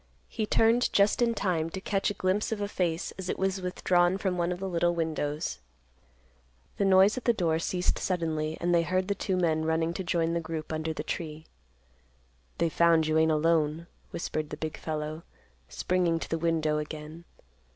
He turned just in time to catch a glimpse of a face as it was withdrawn from one of the little windows. The noise at the door ceased suddenly, and they heard the two men running to join the group under the tree. "They've found you ain't alone," whispered the big fellow, springing to the window again.